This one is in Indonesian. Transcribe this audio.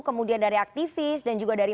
kemudian dari aktivis dan juga dari